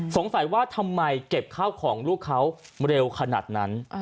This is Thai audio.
สงสัยว่าทำไมเก็บข้าวของลูกเขาเร็วขนาดนั้น